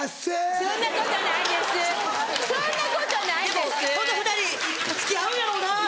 でもこの２人付き合うんやろうなぁ。